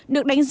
được đánh giá